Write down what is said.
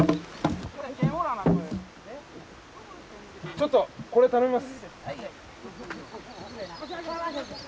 ちょっとこれ頼みます。